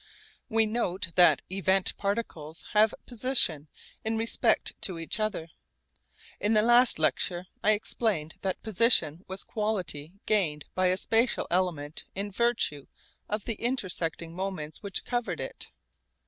We note that event particles have 'position' in respect to each other. In the last lecture I explained that 'position' was quality gained by a spatial element in virtue of the intersecting moments which covered it.